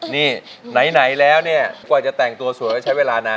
นี่ไหนแล้วเนี่ยกว่าจะแต่งตัวสวยแล้วใช้เวลานาน